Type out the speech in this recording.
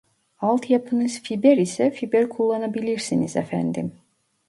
Alt yapınız fiber ise fiber kullanabilirsiniz efendim